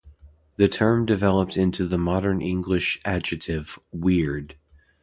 The term developed into the modern English adjective "weird".